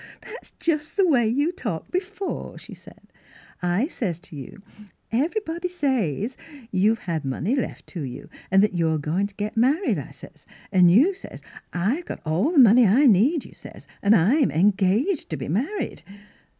" That's just the way you talked be fore," she said. *' I sez t' you, ' Every body says you've had money left to you. an' that you're goin' t' get married,' I sez. An' you sez, ' I've got all the money I need,' you sez, * an' I'm engaged t' be married.'